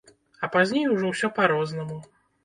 А пазней ужо ўсё па-рознаму.